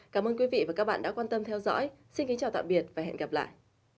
cảm ơn quý vị và các bạn đã quan tâm theo dõi xin kính chào tạm biệt và hẹn gặp lại